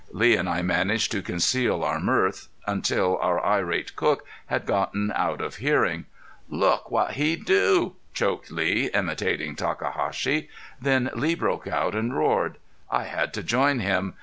Lee and I managed to conceal our mirth until our irate cook had gotten out of hearing. "Look what he do!" choked Lee, imitating Takahashi. Then Lee broke out and roared. I had to join him.